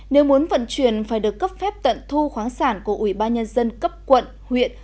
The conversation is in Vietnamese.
nếu muốn vận chuyển phải được cấp phép tận thu khoáng sản của ủy ban nhân dân cấp quận huyện